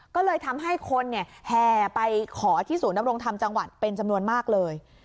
ก็เลยทำให้คนแห่ไปขอที่ศูนย์นำรงธรรมจังหวัดเป็นจำนวนมากเลย